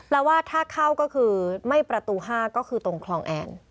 แล้วว่าถ้าเข้าก็คือไม่ประตู๕ก็คือตรงคลองแอน